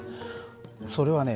それはね